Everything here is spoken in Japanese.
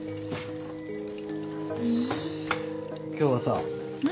今日はさ。